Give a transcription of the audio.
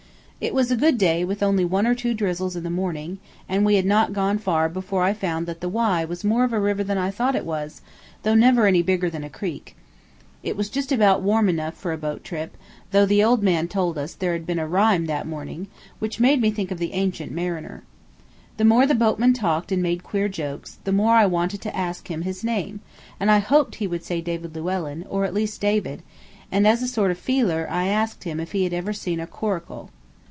It was a good day, with only one or two drizzles in the morning, and we had not gone far before I found that the Wye was more of a river than I thought it was, though never any bigger than a creek. It was just about warm enough for a boat trip, though the old man told us there had been a "rime" that morning, which made me think of the "Ancient Mariner." The more the boatman talked and made queer jokes, the more I wanted to ask him his name; and I hoped he would say David Llewellyn, or at least David, and as a sort of feeler I asked him if he had ever seen a coracle.